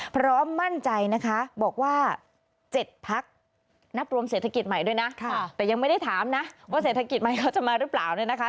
พร้อมมั่นใจนะคะบอกว่า๗พักนับรวมเศรษฐกิจใหม่ด้วยนะแต่ยังไม่ได้ถามนะว่าเศรษฐกิจใหม่เขาจะมาหรือเปล่าเนี่ยนะคะ